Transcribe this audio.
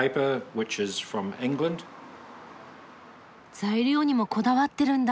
材料にもこだわってるんだ。